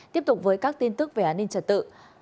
tiếp tục với các tin tức về an ninh trật tự